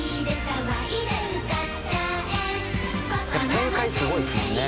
「展開すごいですもんね。